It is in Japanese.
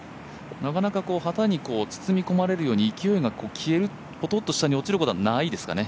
なかなか旗に包み込まれるようにポトッと下に落ちるということはないですかね？